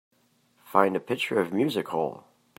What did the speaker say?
Find a picture of Music Hole